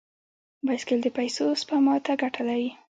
بایسکل د پیسو سپما ته ګټه لري.